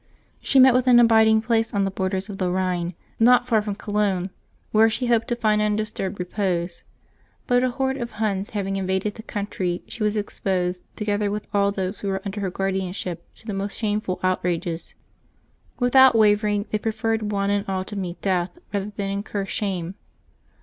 She met with an abiding place on the borders of the Ehine, not far from Cologne, where she hoped to find undisturbed repose ; but a horde of Huns having invaded the countr}^, she was exposed, together with all those who were under her guardianship, to the most shameful outrages. Without wavering, they pre ferred one and all to meet death rather than incur shame.